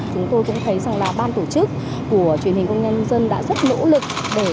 chúng tôi cũng thấy sơn la ban tổ chức của truyền hình công nhân dân đã rất nỗ lực